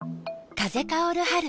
風薫る春。